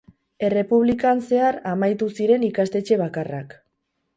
Errepublikan zehar amaitu ziren ikastetxe bakarrak.